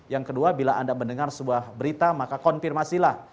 yang kedua bila anda mendengar sebuah berita maka konfirmasilah